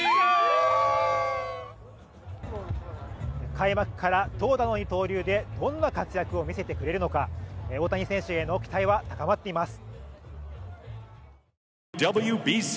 開幕から投打の二刀流でどんな活躍を見せてくれるのか大谷選手への期待は高まっています。